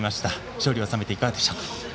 勝利を収めていかがでしょうか。